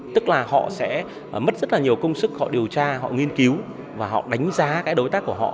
tức là họ sẽ mất rất là nhiều công sức họ điều tra họ nghiên cứu và họ đánh giá cái đối tác của họ